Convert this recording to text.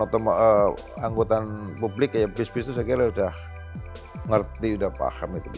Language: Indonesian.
atau anggota publik bus bus itu saya kira sudah ngerti sudah paham